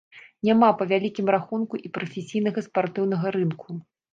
Няма, па вялікім рахунку, і прафесійнага спартыўнага рынку.